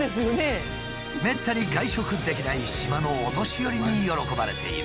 めったに外食できない島のお年寄りに喜ばれている。